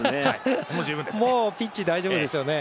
もうピッチ、大丈夫ですよね。